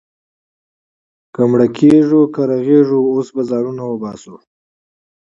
که مړه کېږو، که رغېږو، اوس به ځانونه وباسو.